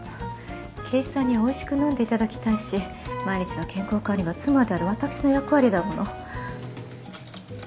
圭一さんにはおいしく飲んでいただきたいし毎日の健康管理は妻である私の役割だもの。